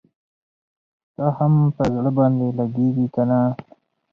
ستا هم پر زړه باندي لګیږي کنه؟